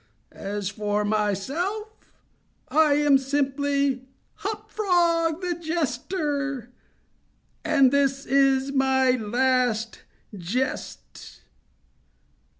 As for myself, I am simply Hop Frog, the jester—and this is my last jest."